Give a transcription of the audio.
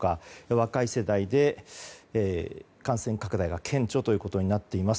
若い世代で、感染拡大が顕著ということになっています。